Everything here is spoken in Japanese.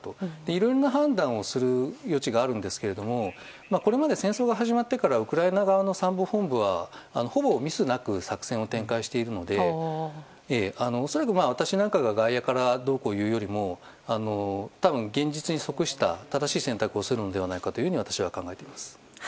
いろんな判断をする余地があるんですけれどもこれまで戦争が始まってからウクライナ側の参謀本部はほぼミスなく作戦を展開しているので恐らく私なんかが外野からどうこう言うよりも多分、現実に即した正しい選択をするのではないかと私は考えています。